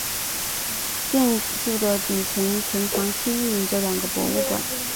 建筑的底层曾长期运营着两个博物馆。